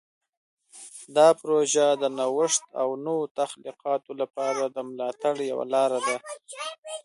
دا پروژه د نوښت او نوو تخلیقاتو لپاره د ملاتړ یوه لاره ده.